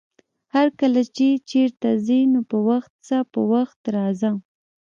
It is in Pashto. هرکله چې چېرته ځې نو په وخت ځه، په وخت راځه!